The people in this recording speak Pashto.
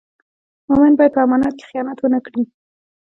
مومن باید په امانت کې خیانت و نه کړي.